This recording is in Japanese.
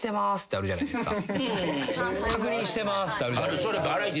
あるじゃないですか。